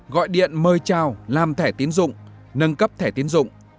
gọi điện mời trao làm thẻ tiến dụng nâng cấp thẻ tiến dụng